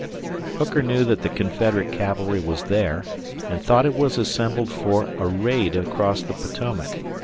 Hooker knew that the Confederate cavalry was there and thought it was assembled for a raid across the Potomac.